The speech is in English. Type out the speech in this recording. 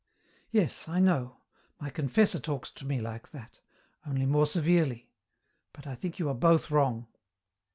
"Yes, I know. My confessor talks to me like that only more severely but I think you are both wrong."